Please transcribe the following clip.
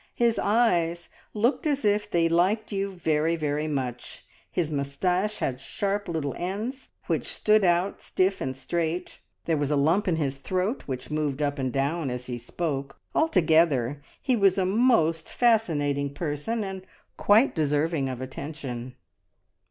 His eyes looked as if they liked you very, very much; his moustache had sharp little ends which stood out stiff and straight, there was a lump in his throat which moved up and down as he spoke altogether he was a most fascinating person, and quite deserving of attention.